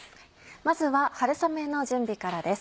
まずは春雨の準備からです。